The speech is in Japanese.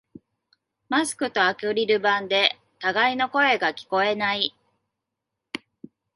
マスクとアクリル板で互いの声が聞こえない